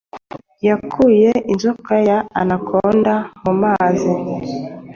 Yakuye inzoka ya Anaconda mu mazi